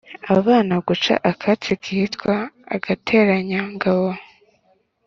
abana gucana akatsi kitwa « agateranyangabo »